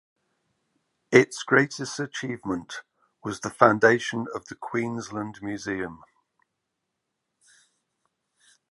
Its greatest achievement was the foundation of the Queensland Museum.